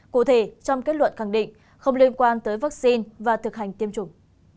cụ thể trong kết luận khẳng định không liên quan tới vaccine và thực hành tiêm chủng